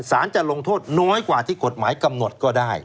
สารจะลงโทษน้อยกว่าที่กฎหมายกำหนดก็ได้